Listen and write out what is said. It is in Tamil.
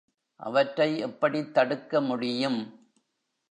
அவற்றை எப்படித் தடுக்க முடியும்?